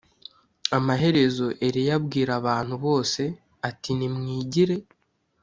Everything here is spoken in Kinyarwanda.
Amaherezo Eliya abwira abantu bose ati nimwigire